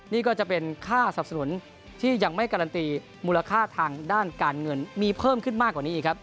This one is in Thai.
นี่ก็จะเป็นค่าสับสนุนที่ยังไม่การันตีมูลค่าทางด้านการเงินมีเพิ่มขึ้นมากกว่านี้อีกครับ